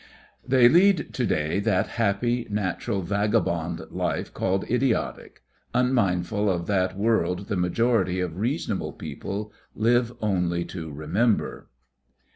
They lead to day that happy, natural, vagabond life called idiotic, unmindful of that world the majority of reasonable people live only to remember.